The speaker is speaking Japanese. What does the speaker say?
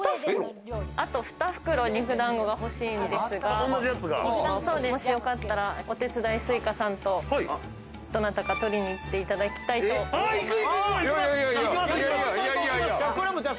あと２袋、肉団子が欲しいんですが、もしよかったらお手伝い、翠花さんとどなたか取りに行っていただ行きます！